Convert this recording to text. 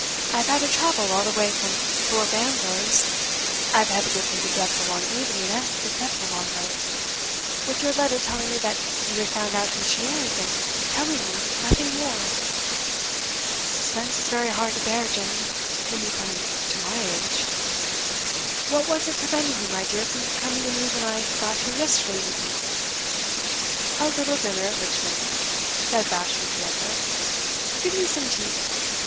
I have had to travel all the way from Thorpe Ambrose I have had to get through the dreadful long evening and the dreadful long night with your letter telling me that you had found out who she is, and telling me nothing more. Suspense is very hard to bear, Jemmy, when you come to my age. What was it prevented you, my dear, from coming to me when I got here yesterday evening?" "A little dinner at Richmond," said Bashwood the younger. "Give me some tea." Mr.